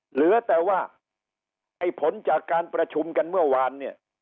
เหลือแต่ว่าไอ้ผลจากการประชุมกันเมื่อวานเนี่ย